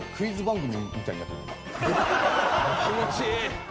気持ちいい。